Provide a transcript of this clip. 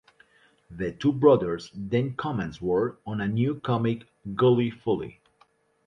The two brothers then commenced work on a new comic, "Gully Foyle".